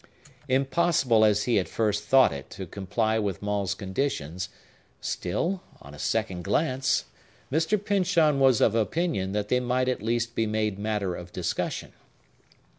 Impossible as he at first thought it to comply with Maule's conditions, still, on a second glance, Mr. Pyncheon was of opinion that they might at least be made matter of discussion.